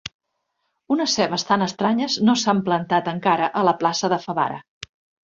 Unes cebes tan estranyes no s'han plantat encara, a la plaça de Favara.